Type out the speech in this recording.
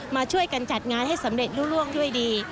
มาช่วยกันจัดงานให้สำเร็จล่วงด้วยดี